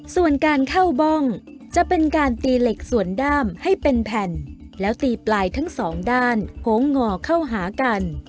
ส่วนการเข้าบ้องจะเป็นการตีเหล็กส่วนด้ามให้เป็นแผ่นแล้วตีปลายทั้งสองด้านโหงงอเข้าหากัน